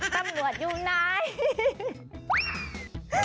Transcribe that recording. ตำรวจอยู่ไหน